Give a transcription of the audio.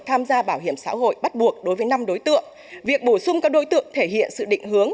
tham gia bảo hiểm xã hội bắt buộc đối với năm đối tượng việc bổ sung các đối tượng thể hiện sự định hướng